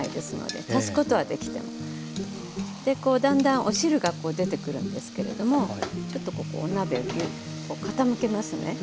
でこうだんだんお汁が出てくるんですけれどもちょっとここお鍋をギュッとこう傾けますね。